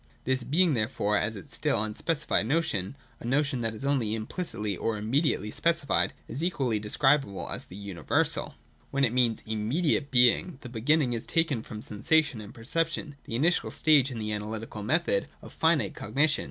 This Being therefore, as the still unspecified notion, — a notion that is only implicitly or ' immediately ' specified — is equally describable as the Universal. When it means immediate being, the beginning is taken from sensation and perception — the initial stage in the analytical method of finite cognition.